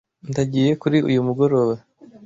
Ndagiye kuri uyu mugoroba.